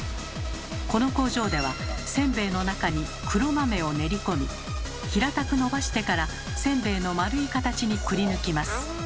この工場ではせんべいの中に黒豆を練り込み平たくのばしてからせんべいの丸い形にくりぬきます。